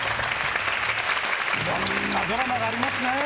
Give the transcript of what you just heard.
いろんなドラマがありますね。